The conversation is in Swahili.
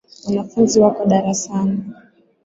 Wanafunzi wako darasani.